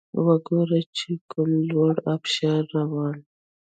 وګوره چې کوم لوری ابشار روان